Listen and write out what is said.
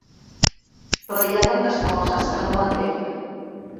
Però hi ha tantes coses que no ho entenc.